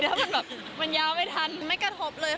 แล้วมันยาวไม่ทันไม่กระทบเลยค่ะ